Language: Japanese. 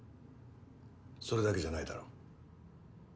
それだけじゃないだろう。